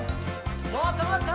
もっともっと！